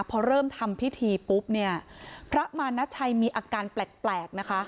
พอเริ่มทำพิธีปุ๊บเนี่ยพระมานาชัยมีอาการแปลกนะคะ